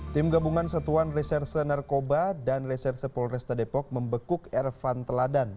tim gabungan satuan reserse narkoba dan reserse polresta depok membekuk ervan teladan